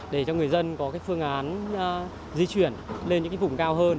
để cho người dân có cái phương án di chuyển lên những cái vùng cao hơn